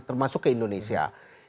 termasuk ke indonesia